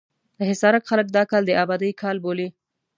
د حصارک خلک دا کال د ابادۍ کال بولي.